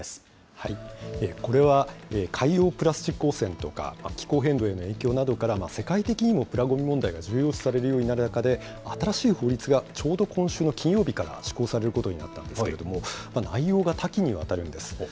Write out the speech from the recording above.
これは海洋プラスチック汚染とか、気候変動への影響などから、世界的にもプラごみ問題が重要視される中で、新しい法律がちょうど今週の金曜日から施行されることになったんですけれども、内容が多岐にわたるんです。